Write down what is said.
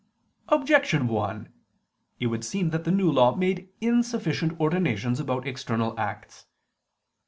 Objection 1: It would seem that the New Law made insufficient ordinations about external acts.